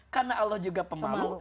karena allah juga pemalu